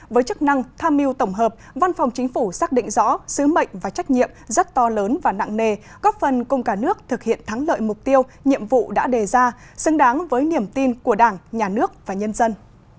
với chức năng tham mưu tổng hợp văn phòng chính phủ xác định rõ sứ mệnh và trách nhiệm rất to lớn và nặng nề góp phần cùng cả nước thực hiện thắng lợi mục tiêu nhiệm vụ đã đề ra xứng đáng với niềm tin của đảng nhà nước và nhân dân